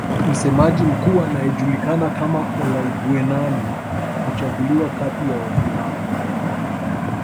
Msemaji Mkuu anayejulikana kama Olaiguenani huchaguliwa kati ya wavulana